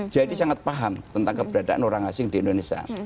sangat paham tentang keberadaan orang asing di indonesia